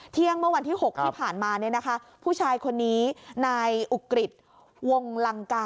เที่ยงเมื่อวันที่๖ที่ผ่านมาผู้ชายคนนี้นายอุกริตวงลังกา